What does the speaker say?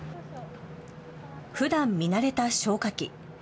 ふだん見慣れた消火器。